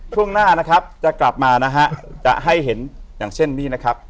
ช่วงหน้ากับมาจะให้เห็นอย่างเช่นนี้นะครับ